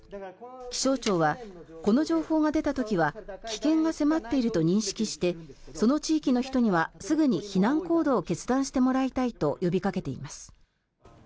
気象庁は、この情報が出た時は危険が迫っていると認識してその地域の人にはすぐに避難行動を決断してもらいたいと呼びかけています。